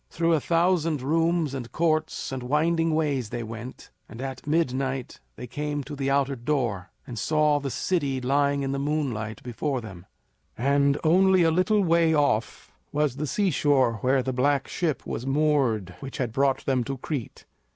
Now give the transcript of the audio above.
Through a thousand rooms and courts and winding ways they went, and at midnight they came to the outer door and saw the city lying in the moonlight before them; and, only a little way off, was the seashore where the black ship was moored which had brought them to Crete.